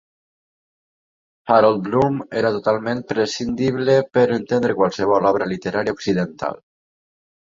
Harold Bloom és totalment prescindible per entendre qualsevol obra literària occidental